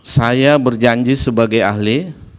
saya berjanji sebagai ahli